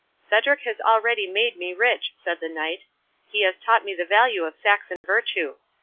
"Cedric has already made me rich," said the Knight,—"he has taught me the value of Saxon virtue.